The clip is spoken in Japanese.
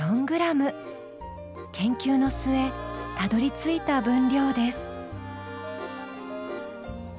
研究の末たどりついた分量です。